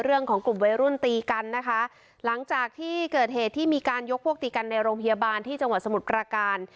เรื่องของกลุ่มวัยรุ่นตีกันนะคะหลังจากที่เกิดเหตุที่มีการยกพวกตีกันในโรงพยาบาลที่จังหวัดสมุทรประการ